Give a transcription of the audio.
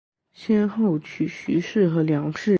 先后娶徐氏和梁氏。